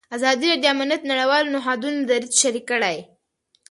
ازادي راډیو د امنیت د نړیوالو نهادونو دریځ شریک کړی.